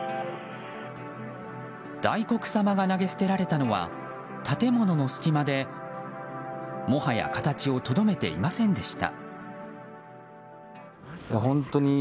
大黒様が投げ捨てられたのは建物の隙間でもはや形をとどめていませんでした。